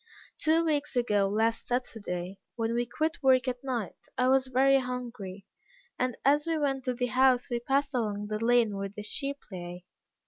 Two weeks ago last Saturday, when we quit work at night, I was very hungry, and as we went to the house we passed along the lane where the sheep lay.